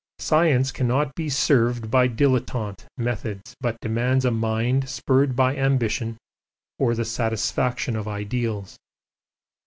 Science cannot be served by 'dilettante' methods, but demands a mind spurred by ambition or the satisfaction of ideals.